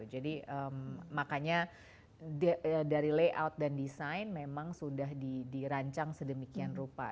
jadi makanya dari layout dan desain memang sudah dirancang sedemikian rupa